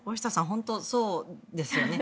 本当にそうですよね。